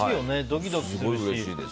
ドキドキするし。